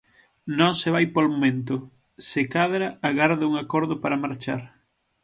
Non se vai polo momento, se cadra, agarda un acordo para marchar.